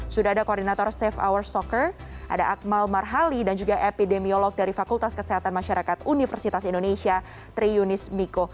sudah ada koordinator safe hour soccer ada akmal marhali dan juga epidemiolog dari fakultas kesehatan masyarakat universitas indonesia tri yunis miko